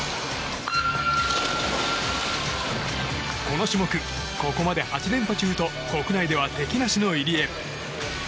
この種目、ここまで８連覇中と国内では敵なしの入江。